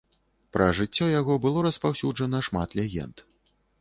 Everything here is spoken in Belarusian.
Пра жыццё яго было распаўсюджана шмат легенд.